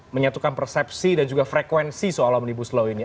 menyatukan persepsi dan juga frekuensi soal omnibus law ini